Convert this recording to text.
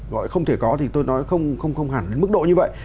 gọi không thể có thì tôi nói không hẳn đến mức độ như vậy